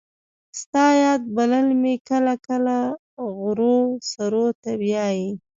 ستا یاد بلبل مې کله کله غرو سرو ته بیايي